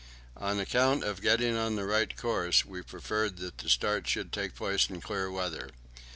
On account of getting on the right course, we preferred that the start should take place in clear weather.